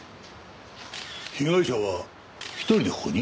被害者は一人でここに？